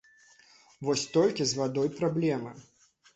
Вось толькі з вадой праблемы.